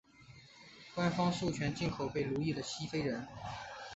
官方授权进口被奴役的西非人。